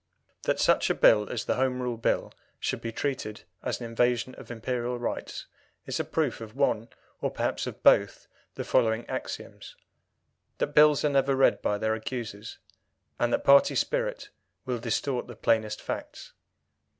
That such a Bill as the Home Rule Bill should be treated as an invasion of Imperial rights is a proof of one, or perhaps of both, the following axioms that Bills are never read by their accusers, and that party spirit will distort the plainest facts.